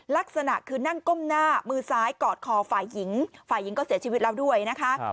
ลักษณะคือนั่งก้มหน้ามือซ้ายกอดคอฝ่ายหญิงฝ่ายหญิงก็เสียชีวิตแล้วด้วยนะคะ